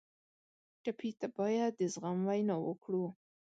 ټپي ته باید د زغم وینا وکړو.